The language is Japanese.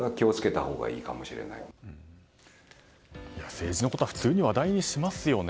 政治のことは普通に話題にしますよね。